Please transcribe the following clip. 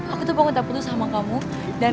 aku tuh pengen tak putus sama kamu dan